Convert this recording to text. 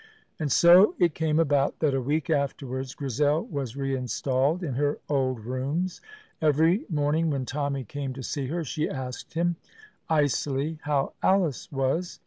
And so it came about that a week afterwards Grizel was reinstalled in her old rooms. Every morning when Tommy came to see her she asked him, icily how Alice was.